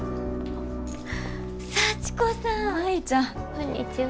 こんにちは。